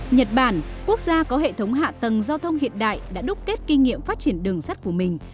nhật bản quốc gia có hệ thống hạ tầng giao thông hiện đại đã đúc kết kinh nghiệm phát triển đường sắt của mình